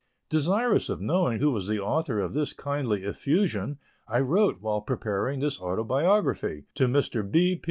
Desirous of knowing who was the author of this kindly effusion, I wrote, while preparing this autobiography, to Mr. B.